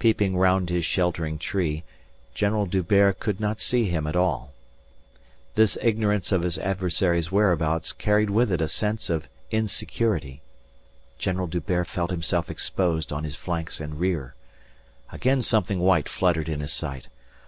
Peeping round his sheltering tree, General D'Hubert could not see him at all. This ignorance of his adversary's whereabouts carried with it a sense of insecurity. General D'Hubert felt himself exposed on his flanks and rear. Again something white fluttered in his sight.